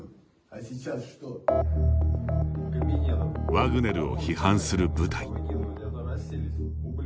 ワグネルを批判する部隊。